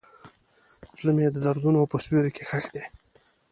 زړه مې د دردونو په سیوري کې ښخ دی.